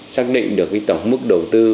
xác định được cái tổng mức đầu tư